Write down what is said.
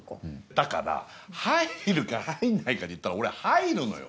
だから入るか入んないかでいったら俺入るのよ！